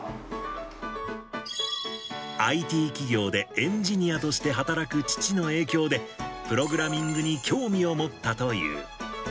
ＩＴ企業でエンジニアとして働く父の影響で、プログラミングに興味を持ったという。